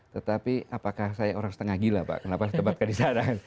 tetapi apakah saya orang setengah gila pak kenapa saya tempatkan di sana